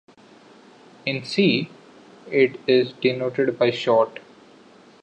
In C, it is denoted by short.